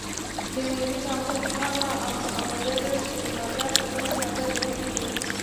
کیمیاوي تعامل هغه عملیه ده چې ماده په بله ماده بدلیږي.